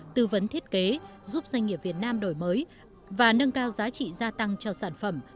tư vấn thiết kế giúp doanh nghiệp việt nam đổi mới và nâng cao giá trị gia tăng cho sản phẩm